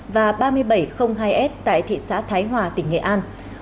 và ba nghìn bảy trăm linh hai s tại thị xã thái hòa tỉnh nghệ an